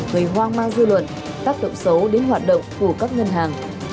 gây hoang mang dư luận tác động xấu đến hoạt động của các ngân hàng